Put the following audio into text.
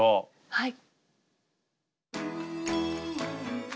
はい。